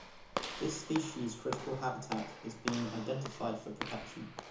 This species' critical habitat is being identified for protection.